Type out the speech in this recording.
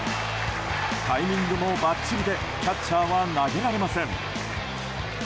タイミングもバッチリでキャッチャーは投げられません。